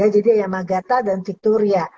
jadi yamagata dan victoria